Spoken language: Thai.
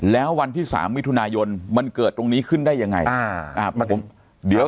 แล้ววันที่๓มิถุนายนมันเกิดตรงนี้ขึ้นได้ยังไง